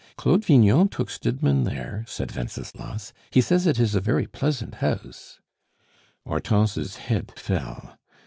"Claude Vignon took Stidmann there," said Wenceslas. "He says it is a very pleasant house." Hortense's head fell.